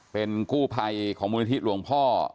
เป็นกู้ภัยของมวลธิบรรที่ลวงพ่อ